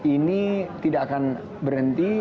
ini tidak akan berhenti